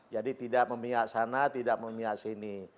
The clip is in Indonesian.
jadi tidak memilih queremos sana tidak memilihwardsi ini